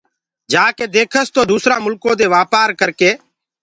جآڪي ديکس تو دوٚسرآ مُلڪو دي وآپآر ڪرڪي